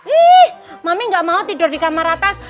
ih mami gak mau tidur di kamar atas